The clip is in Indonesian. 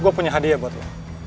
gue punya hadiah buat gue